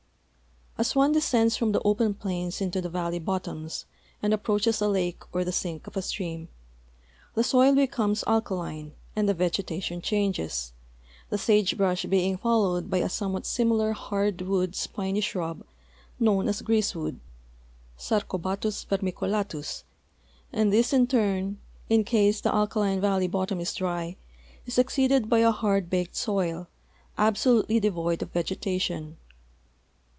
As one descends from the open plains into the valley bottoms and approaches a lake or the sink of a stream, the soil becomes alkaline and the vegetation changes, the sage brush being fol lowed by a somewhat similar hard wood spiny shrub known as greasewood, Sarcohatiis vermiculatiis, and this, in turn, in case the alkaline valley bottom is dry, is succeeded by a hard baked soil, absolutely devoid of vegetation.